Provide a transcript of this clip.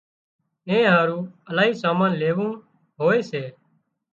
اين هارُو الاهي سامان ليوون هوئي سي